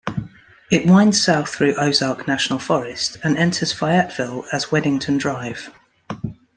It winds south through Ozark National Forest and enters Fayetteville as Wedington Drive.